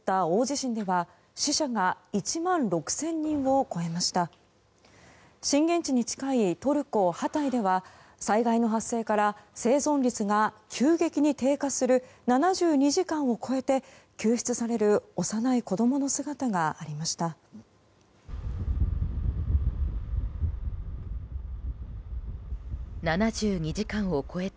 震源地に近いトルコ・ハタイでは災害の発生から生存率が急激に低下する７２時間を超えて救出される幼い子供の姿がありました。